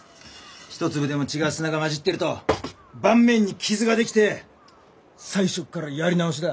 一粒でも違う砂が混じってると盤面に傷が出来て最初からやり直しだ。